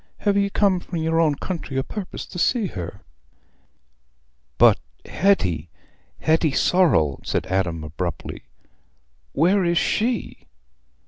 "Have ye come from your own country o' purpose to see her?" "But Hetty—Hetty Sorrel," said Adam, abruptly; "Where is _she?